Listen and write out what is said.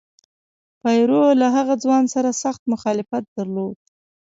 پیرو له هغه ځوان سره سخت مخالفت درلود.